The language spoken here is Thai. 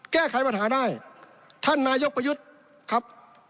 แก้ไขปัญหาได้ท่านนายกประยุทธ์ครับ